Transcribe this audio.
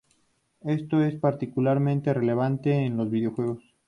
Esto es particularmente relevante en los videojuegos.